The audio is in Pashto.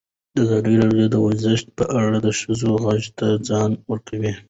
ازادي راډیو د ورزش په اړه د ښځو غږ ته ځای ورکړی.